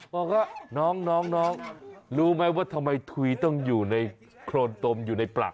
บอกว่าน้องรู้ไหมว่าทำไมทุยต้องอยู่ในโครนตมอยู่ในปลัก